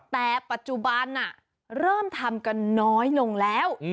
แต่ปัจจุบันเริ่มทำกันน้อยลงแล้ว